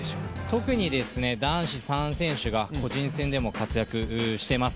特に男子３選手が個人戦でも活躍をしています。